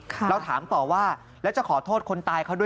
แล้วเราได้พูดการวางแผน